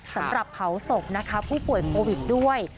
สำหรับเผาศพนะคะผู้ป่วยโควิดด้วย